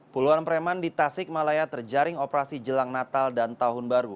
puluhan preman di tasik malaya terjaring operasi jelang natal dan tahun baru